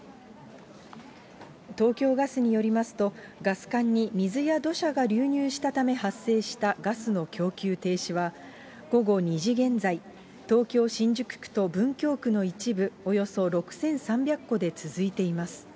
東京ガスによりますと、ガス管に水や土砂が流入したため発生したガスの供給停止は、午後２時現在、東京・新宿区と文京区の一部、およそ６３００戸で続いています。